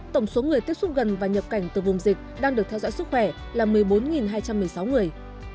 tổng số người tiếp xúc gần và nhập cảnh từ vùng dịch đang được theo dõi sức khỏe là một mươi bốn hai trăm một mươi sáu người